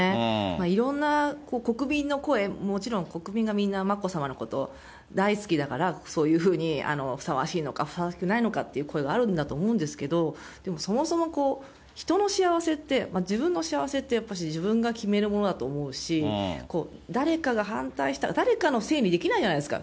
いろんな国民の声、もちろん国民がみんな眞子さまのこと大好きだから、そういうふうにふさわしいのか、ふさわしくないのかという声があるんだと思うんですけど、でもそもそも人の幸せって、自分の幸せって、やっぱし自分が決めるものだと思うし、誰かが反対した、誰かのせいにできないじゃないですか。